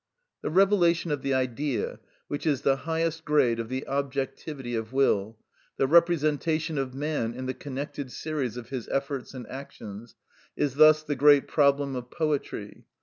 The revelation of the Idea, which is the highest grade of the objectivity of will, the representation of man in the connected series of his efforts and actions, is thus the great problem of poetry.